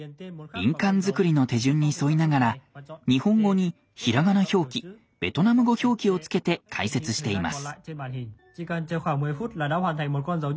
印鑑作りの手順に沿いながら日本語に平仮名表記ベトナム語表記をつけて解説しています。